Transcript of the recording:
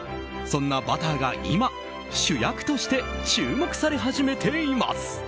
そんなバターが今、主役として注目され始めています。